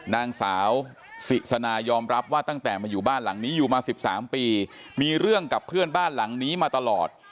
นางสาวสิสนายอมรับว่าตั้งแต่มาอยู่บ้านหลังนี้อยู่มา๑๓ปีมีเรื่องกับเพื่อนบ้านหลังนี้มาตลอด